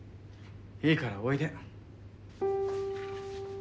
いいからおいで。